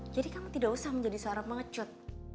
jadi kamu tidak usah menjadi seorang melecut